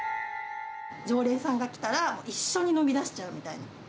常連さんが来たら、一緒に飲みだしちゃうみたいな。